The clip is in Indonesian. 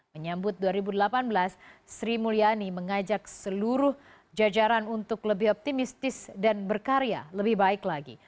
menyambut dua ribu delapan belas sri mulyani mengajak seluruh jajaran untuk lebih optimistis dan berkarya lebih baik lagi